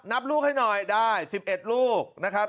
นับลูกให้หน่อยได้๑๑ลูกนะครับ